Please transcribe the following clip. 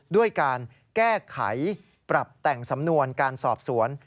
ด้วยการแก้ไขปรับแต่งสำนวนการสอบสวน